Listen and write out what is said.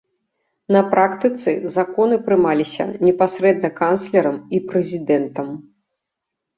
На практыцы законы прымаліся непасрэдна канцлерам і прэзідэнтам.